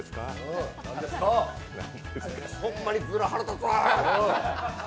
ほんまに、づら腹立つわ。